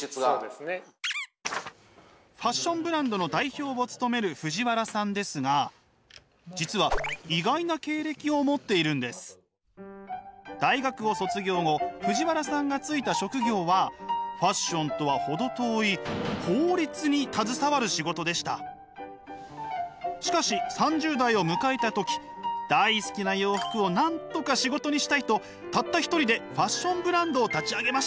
ファッションブランドの代表を務める藤原さんですが実は大学を卒業後藤原さんが就いた職業はファッションとは程遠いしかし３０代を迎えた時大好きな洋服をなんとか仕事にしたいとたった一人でファッションブランドを立ち上げました。